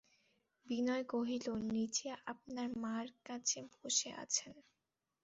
বিনয় কহিল, নীচে আপনার মার কাছে বসে আছেন।